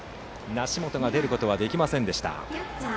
梨本が出ることはできませんでした。